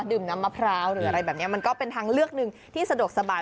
น้ำมะพร้าวหรืออะไรแบบนี้มันก็เป็นทางเลือกหนึ่งที่สะดวกสบาย